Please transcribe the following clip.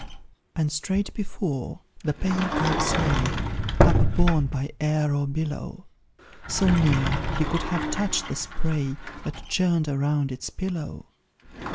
And straight before, the pale corpse lay, Upborne by air or billow, So near, he could have touched the spray That churned around its pillow.